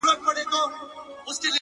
خو چي تر کومه به تور سترگي مینه واله یې؛